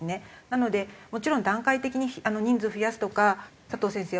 なのでもちろん段階的に人数増やすとか佐藤先生